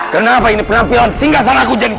kenapa ini penampilan singgah sana aku jadi